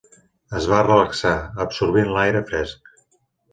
Es va relaxar, absorbint l'aire fresc.